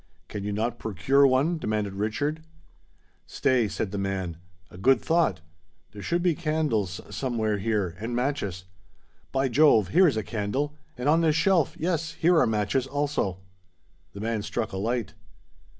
"Can you not procure one?" demanded Richard. "Stay," said the man—"a good thought! There should be candles somewhere here—and matches. By Jove! here is a candle—and, on this shelf—yes—here are matches also!" The man struck a light.